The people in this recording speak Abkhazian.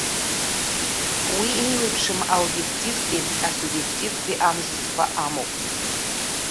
Уи еиуеиԥшым аобиективтәи асубиективтәи амзызқәа амоуп.